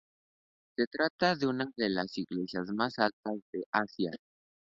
Se trata de una de las iglesias más altas de Asia.